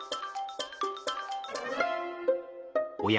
おや？